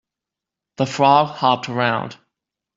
The frog hopped around.